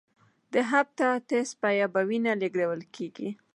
د هپاتایتس بي په وینه لېږدول کېږي.